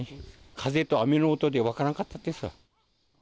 風と雨の音で分からなかったです